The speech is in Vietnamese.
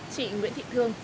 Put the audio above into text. chị nguyễn thị thương